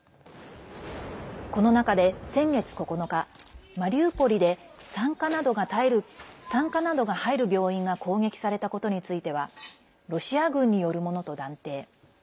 この中で先月９日、マリウポリで産科などが入る病院が攻撃されたことについてはロシア軍によるものと断定。